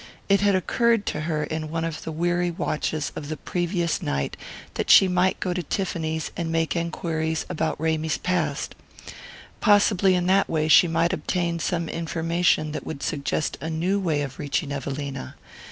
It had occurred to her in one of the weary watches of the previous night that she might go to Tiffany's and make enquiries about Ramy's past. Possibly in that way she might obtain some information that would suggest a new way of reaching Evelina.